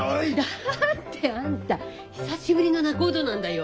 だってあんた久しぶりの仲人なんだよ。